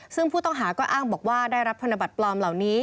ซึ่งผู้ต้องหาก็อ้างบอกว่าได้รับธนบัตรปลอมเหล่านี้